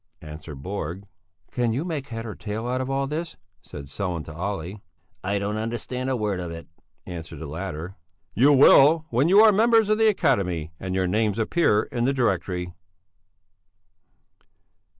answered Borg. "Can you make head or tail out of all this?" said Sellén to Olle. "I don't understand a word of it," answered the latter. "You will, when you are members of the Academy, and your names appear in the Directory."